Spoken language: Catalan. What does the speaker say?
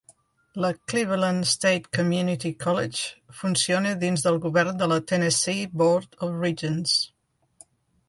La Cleveland State Community College funciona dins del govern de la Tennessee Board of Regents.